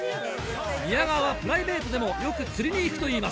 宮川はプライベートでもよく釣りに行くといいます。